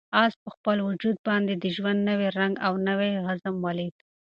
آس په خپل وجود باندې د ژوند نوی رنګ او نوی عزم ولید.